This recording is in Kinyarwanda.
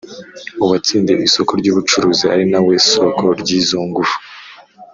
Uwatsindiy Isoko Ryubucuruzi Ari Na We Soko Ry Izo Ngufu